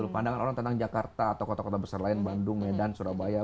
pandangan orang tentang jakarta atau kota kota besar lain bandung medan surabaya